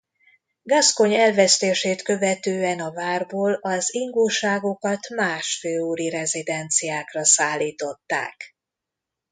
Gascogne elvesztését követően a várból az ingóságokat más főúri rezidenciákra szállították.